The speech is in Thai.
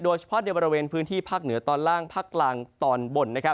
โดยเฉพาะในบริเวณพื้นที่ภาคเหนือตอนล่างภาคกลางตอนบน